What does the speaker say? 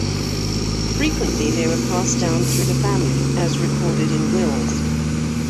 Frequently they were passed down through the family, as recorded in wills.